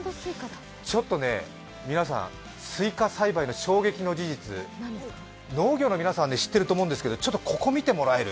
ちょっと皆さん、すいか栽培の衝撃の事実、農業の皆さん、知ってると思うんですが、ここを見てもらえる？